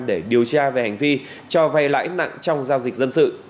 để điều tra về hành vi cho vay lãi nặng trong giao dịch dân sự